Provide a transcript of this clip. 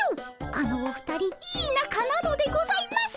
あのお二人いいなかなのでございます。